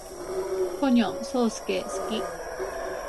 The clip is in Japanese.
ポニョ，そーすけ，好き